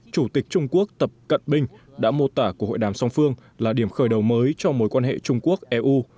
chủ tịch trung quốc tập cận bình đã mô tả cuộc hội đàm song phương là điểm khởi đầu mới cho mối quan hệ trung quốc eu